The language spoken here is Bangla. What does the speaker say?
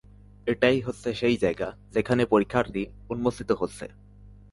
এটাই হচ্ছে সেই জায়গা যেখানে পরীক্ষাটি উন্মোচিত হচ্ছে।